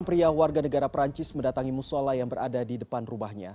pria warga negara perancis mendatangi musola yang berada di depan rumahnya